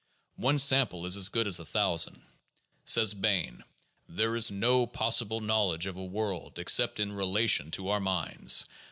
One sample is as good as a thousand. Says Bain :'' There is no possible knowledge of a world except in relation to our minds.